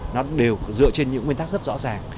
nó đều dựa trên những nguyên tắc rất rõ ràng